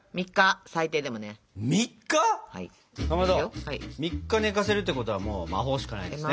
かまど３日寝かせるってことはもう魔法しかないですね。